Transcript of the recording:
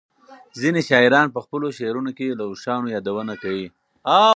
ځینې شاعران په خپلو شعرونو کې له اوښانو یادونه کوي.